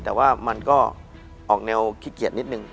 แต่ว่ามันก็ออกแนวขี้เกียจนิดนึง